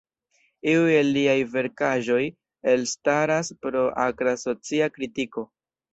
Iuj el liaj verkaĵoj elstaras pro akra socia kritiko.